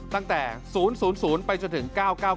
ตั้งแต่๐๐ไปจนถึง๙๙๙